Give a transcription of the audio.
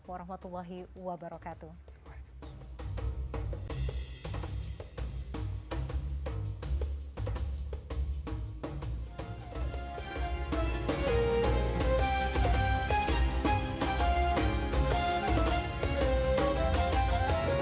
wa rahmatullahi wabarakatuh